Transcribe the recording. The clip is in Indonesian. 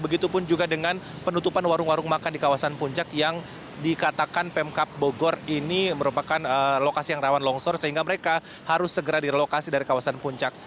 begitupun juga dengan penutupan warung warung makan di kawasan puncak yang dikatakan pemkap bogor ini merupakan lokasi yang rawan longsor sehingga mereka harus segera direlokasi dari kawasan puncak